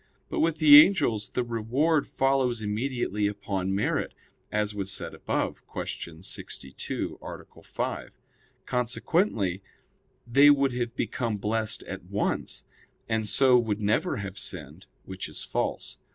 But with the angels the reward follows immediately upon merit; as was said above (Q. 62, A. 5). Consequently they would have become blessed at once; and so would never have sinned, which is false.